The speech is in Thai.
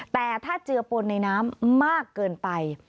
แต่ถ้าเจือปนในน้ำมากเกินไป